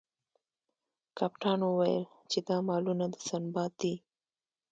کپتان وویل چې دا مالونه د سنباد دي.